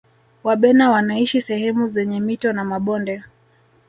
wabena wanaishi sehemu zenye mito na mabonde